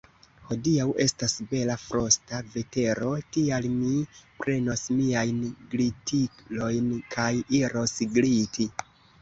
Hodiaŭ estas bela frosta vetero, tial mi prenos miajn glitilojn kaj iros gliti.